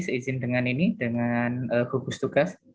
seizin dengan ini dengan gugus tugas